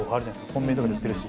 コンビニとかで売ってるし。